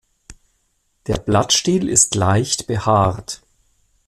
Der Blattstiel ist leicht behaart.